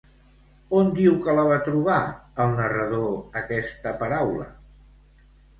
On diu que la va trobar, el narrador, aquesta paraula?